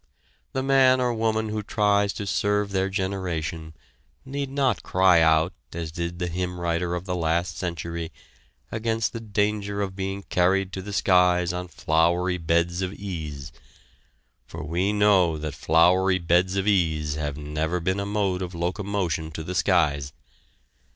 The man or woman who tries to serve their generation need not cry out as did the hymn writer of the last century against the danger of being carried to the skies on flowery beds of ease, for we know that flowery beds of ease have never been a mode of locomotion to the skies.